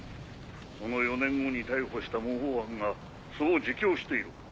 その４年後に逮捕した模倣犯がそう自供している。